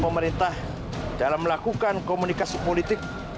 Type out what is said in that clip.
pemerintah dalam melakukan komunikasi politik